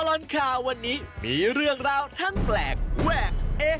ตลอดข่าววันนี้มีเรื่องราวทั้งแปลกแวกเอ๊